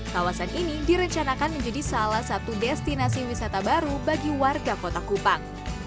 kawasan ini direncanakan menjadi salah satu destinasi wisata baru bagi warga kota kupang